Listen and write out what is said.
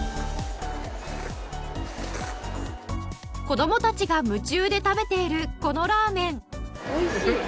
子供たちが夢中で食べているこのラーメン。